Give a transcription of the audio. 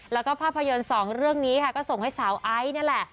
แล้วก็ภาพยนตร์สองเรื่องนี้ค่ะก็ส่งให้สาวไอซ์นั่นแหละ